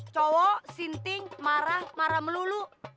cowok sinting marah marah melulu